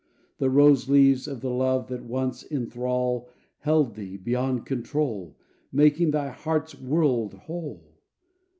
The rose leaves of the love that once in thrall Held thee, beyond control, Making thy heart's world whole.